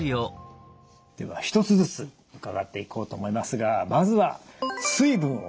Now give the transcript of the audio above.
では一つずつ伺っていこうと思いますがまずは水分を控える。